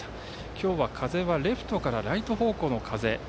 今日はレフトからライト方向の風。